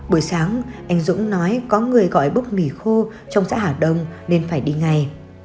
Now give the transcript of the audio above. buổi sáng anh dũng nói có người gọi bốc mì khô trong xã hà đông nên phải đi ngay